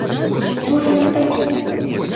Хто ж ён такі?